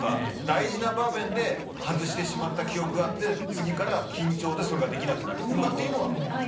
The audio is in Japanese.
大事な場面で外してしまった記憶があって次から緊張でそれができなくなるとかっていうのは。